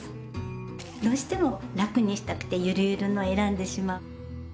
どうしてもラクにしたくてゆるゆるのを選んでしまう。